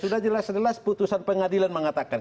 sudah jelas jelas putusan pengadilan mengatakan